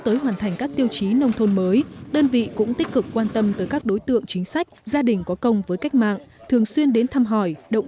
tình hình tới các đối tượng chính sách gia đình có công với cách mạng thường xuyên đến thăm hỏi động